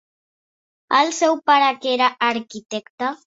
El seu pare que era arquitecte.